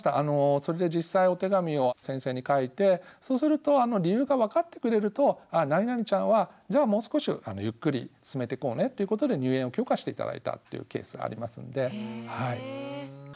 それで実際お手紙を先生に書いてそうすると理由が分かってくれるとあ何々ちゃんはじゃあもう少しゆっくり進めてこうねっていうことで入園を許可して頂いたっていうケースがありますので。